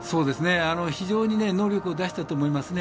非常に能力を出したと思いますね。